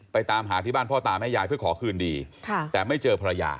ตามหาที่บ้านพ่อตาแม่ยายเพื่อขอคืนดีแต่ไม่เจอภรรยา